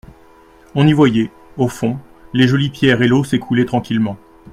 On y voyait, au fond, les jolies pierres et l’eau s’écoulait tranquillement.